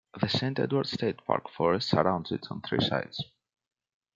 The Saint Edward State Park forest surrounds it on three sides.